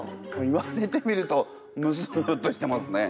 言われてみるとむすっとしてますね。